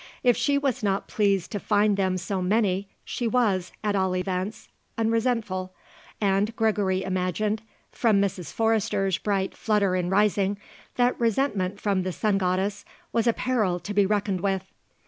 If she was not pleased to find them so many, she was, at all events unresentful, and Gregory imagined, from Mrs. Forrester's bright flutter in rising, that resentment from the sun goddess was a peril to be reckoned with.